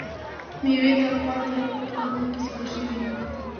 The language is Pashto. مېوې د افغان تاریخ په کتابونو کې ذکر شوی دي.